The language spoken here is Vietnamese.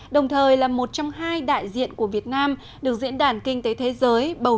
đồng thời là một trong hai đại diện của cộng hòa italia